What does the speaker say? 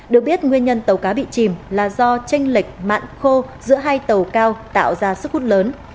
được biết nguyên nhân tàu cá bị chìm là do tranh lệch mặn khô giữa hai tàu cao tạo ra sức hút lớn